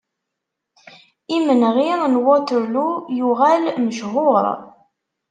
Imenɣi n Waterloo yuɣal mecḥuṛ.